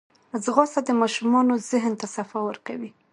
ځغاسته د ماشومانو ذهن ته صفا ورکوي